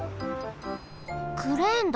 クレーンだ。